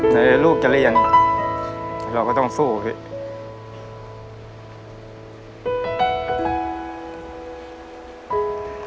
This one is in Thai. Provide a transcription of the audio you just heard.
แต่ลูกจะเลี่ยงเราก็ต้องสู้พี่